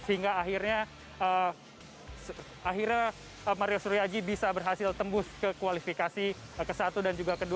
sehingga akhirnya mario suryaji bisa berhasil tembus ke kualifikasi ke satu dan juga ke dua